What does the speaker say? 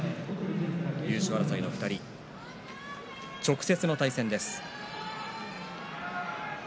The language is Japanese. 優勝争いの２人直接の対戦です。